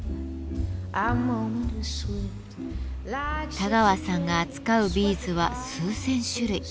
田川さんが扱うビーズは数千種類。